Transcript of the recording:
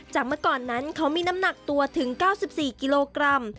เมื่อก่อนนั้นเขามีน้ำหนักตัวถึง๙๔กิโลกรัม